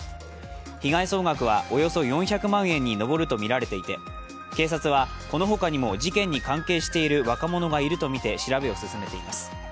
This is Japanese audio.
被害総額は、およそ４００万円に上るとみられていて、警察は、このほかにも事件に関係している若者がいるとみて調べを進めています。